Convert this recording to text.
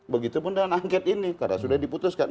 begitupun dengan angket ini karena sudah diputuskan